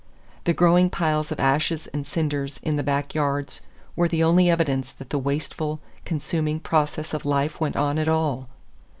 The growing piles of ashes and cinders in the back yards were the only evidence that the wasteful, consuming process of life went on at all.